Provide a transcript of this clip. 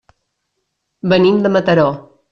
Venim de Mataró.